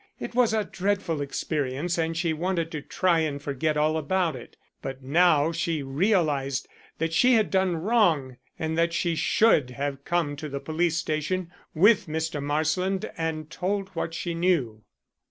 It was a dreadful experience and she wanted to try and forget all about it. But now she realized that she had done wrong and that she should have come to the police station with Mr. Marsland and told what she knew.